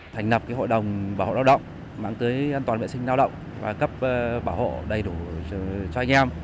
thành lập hội đồng bảo hộ lao động mang tới an toàn vệ sinh lao động và cấp bảo hộ đầy đủ cho anh em